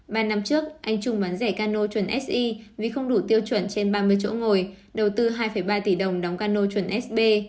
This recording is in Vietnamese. ba năm trước anh trung bán rẻ cano chuẩn se vì không đủ tiêu chuẩn trên ba mươi chỗ ngồi đầu tư hai ba tỷ đồng đóng cano chuẩn sb